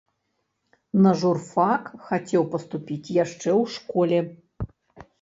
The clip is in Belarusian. На журфак хацеў паступіць яшчэ ў школе.